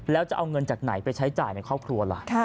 แล้วจะเอาเงินจากไหนไปใช้จ่ายในครอบครัวล่ะ